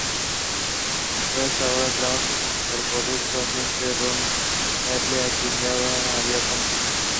Phelps ahora trabaja junto al corrupto agente Roy Earle a quien ya había conocido.